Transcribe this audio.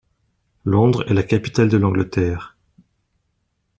Londres est la capitale de l’Angleterre.